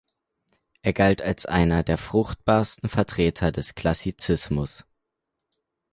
Er galt als einer der fruchtbarsten Vertreter des Klassizismus.